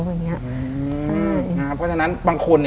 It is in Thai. เพราะฉะนั้นบางคนเนี่ย